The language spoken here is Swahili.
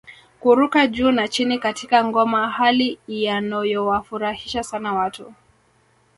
Kuruka juu na chini katika ngoma hali ianoyowafurahisha sana watu